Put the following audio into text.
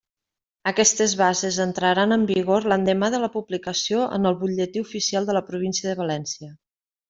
Aquestes bases entraran en vigor l'endemà de la publicació en el Butlletí Oficial de la Província de València.